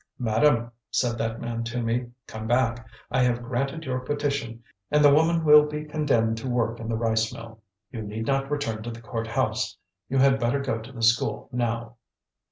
"Madam," said that man to me, "come back. I have granted your petition, and the woman will be condemned to work in the rice mill. You need not return to the court house. You had better go to the school now."